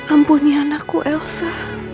ampuni anakku elsa